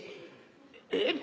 えっ？